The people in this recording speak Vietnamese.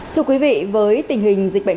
thưa quý vị với tình hình dịch bệnh